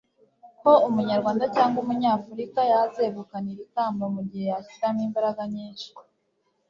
ko umunyarwanda cyangwa umunyafurika yazegukana iri kamba mu gihe yashyiramo imbaraga nyinshi